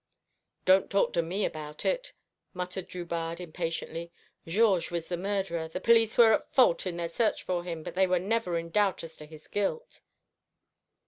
"Don't talk to me about it," muttered Drubarde impatiently. "Georges was the murderer. The police were at fault in their search for him, but they were never in doubt as to his guilt."